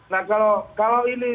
nah kalau ini